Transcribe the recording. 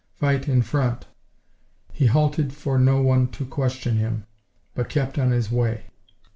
Fight in front!" He halted for no one to question him, but kept on his way.